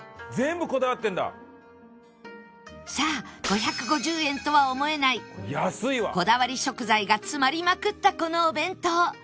さあ５５０円とは思えないこだわり食材が詰まりまくったこのお弁当